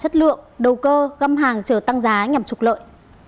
trường tăng giá nhằm trục lợi